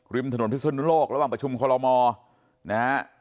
ถนนพิศนุโลกระหว่างประชุมคอลโลมอร์นะฮะ